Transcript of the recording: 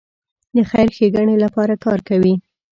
د خیر ښېګڼې لپاره کار کوي.